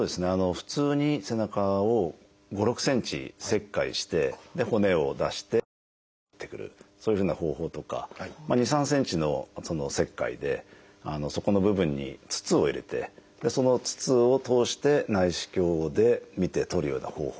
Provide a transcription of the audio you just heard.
普通に背中を５６ｃｍ切開して骨を出してヘルニアを取ってくるそういうふうな方法とか２３ｃｍの切開でそこの部分に筒を入れてその筒を通して内視鏡で見て取るような方法。